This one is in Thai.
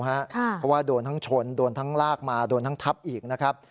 เพราะว่าโดนทั้งชนโดนทั้งลากมาโดนทั้งทับอีกนะครับ